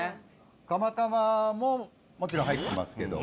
釜玉ももちろん入ってますけど。